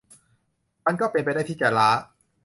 มันก็เป็นไปได้ที่จะล้า